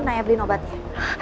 naya beliin obatnya